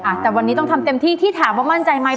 อ่ะแต่วันนี้ต้องทำเต็มที่ที่ถามว่ามั่นใจไหม